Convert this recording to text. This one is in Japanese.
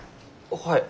はい。